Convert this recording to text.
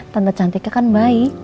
tante cantiknya kan baik